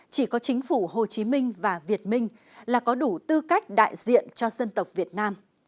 chỉ có chính phủ hồ chí minh và việt minh là có đủ tư cách đại diện cho dân tộc việt nam